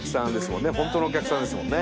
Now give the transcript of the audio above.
ほんとのお客さんですもんね。